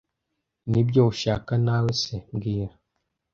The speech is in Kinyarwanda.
Nibyo ushaka nawe se mbwira